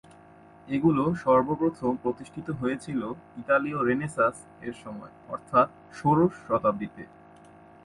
এগুলো সর্ব প্রথম প্রতিষ্ঠিত হয়েছিল ইতালীয় রেনেসাঁস এর সময়ে অর্থাৎ ষোড়শ শতাব্দীতে।